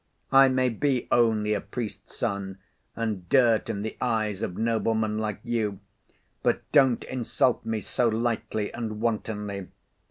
I may be only a priest's son, and dirt in the eyes of noblemen like you, but don't insult me so lightly and wantonly.